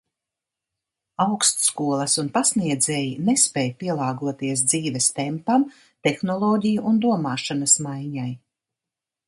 Augstskolas un pasniedzēji nespēj pielāgoties dzīves tempam, tehnoloģiju un domāšanas maiņai.